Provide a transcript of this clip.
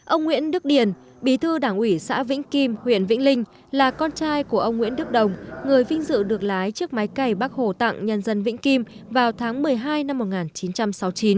ông nguyễn đức điền bí thư đảng ủy xã vĩnh kim huyện vĩnh linh là con trai của ông nguyễn đức đồng người vinh dự được lái chiếc máy cày bác hồ tặng nhân dân vĩnh kim vào tháng một mươi hai năm một nghìn chín trăm sáu mươi chín